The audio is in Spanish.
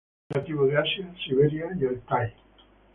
Nativo de Asia, Siberia y Altái.